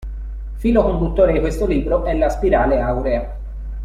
Filo conduttore di questo libro è la spirale aurea.